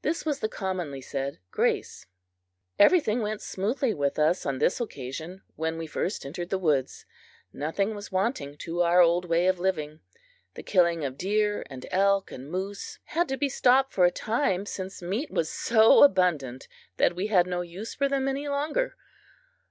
This was the commonly said "grace." Everything went smoothly with us, on this occasion, when we first entered the woods. Nothing was wanting to our old way of living. The killing of deer and elk and moose had to be stopped for a time, since meat was so abundant that we had no use for them any longer.